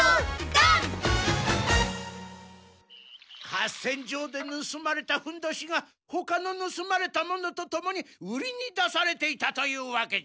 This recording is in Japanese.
合戦場でぬすまれたふんどしがほかのぬすまれた物とともに売りに出されていたというわけじゃ。